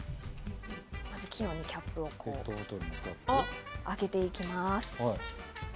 器用にキャップを開けていきます。